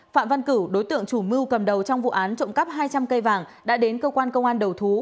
phạm văn cửu đối tượng chủ mưu cầm đầu trong vụ án trộm cắp hai trăm linh cây vàng đã đến cơ quan công an đầu thú